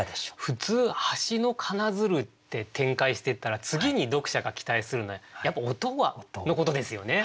普通「嘴の奏づる」って展開していったら次に読者が期待するのはやっぱ音のことですよね。